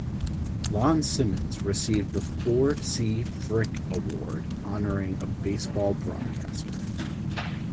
Lon Simmons received the Ford C. Frick Award honoring a baseball broadcaster.